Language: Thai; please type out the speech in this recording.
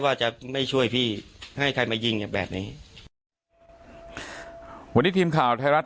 ว่าจะไม่ช่วยพี่ให้ใครมายิงแบบนี้วันนี้ทีมข่าวไทยรัฐ